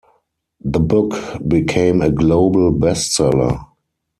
The book became a global bestseller.